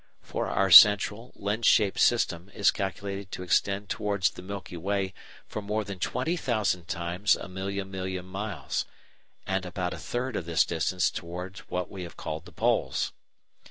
For our central, lens shaped system is calculated to extend towards the Milky Way for more than twenty thousand times a million million miles, and about a third of this distance towards what we have called the poles.